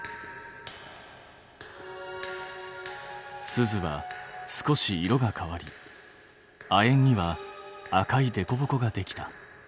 スズは少し色が変わり亜鉛には赤いでこぼこができた。